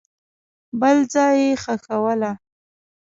بل ځای یې ښخوله.